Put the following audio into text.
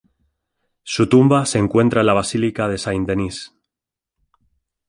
Su tumba se encuentra en la Basílica de Saint Denis.